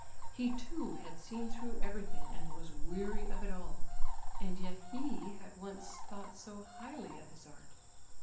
He too had seen through everything and was weary of it all. And yet he had once thought so highly of his art.